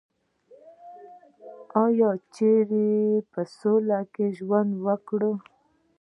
آیا چې په سوله کې ژوند وکړي؟